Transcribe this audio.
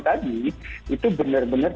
tadi itu benar benar